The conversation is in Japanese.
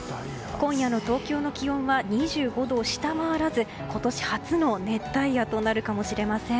今夜の東京の気温は２５度を下回らず今年初の熱帯夜となるかもしれません。